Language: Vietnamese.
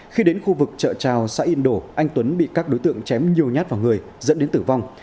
khi đến khu vực chợ trào xã yên đổ anh tuấn bị các đối tượng chém nhiều nhát vào người dẫn đến tử vong